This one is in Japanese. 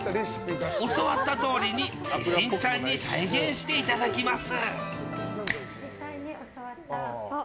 教わったとおりに化身ちゃんに再現していただきます。